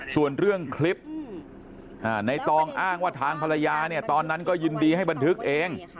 ส่วนเรื่องคลิปในตองอ้างว่าทางภรรยาเนี่ยตอนนั้นก็ยินดีให้บันทึกเอง